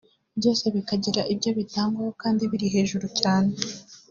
byose bikagira ibyo bitangwaho kandi biri hejuru cyane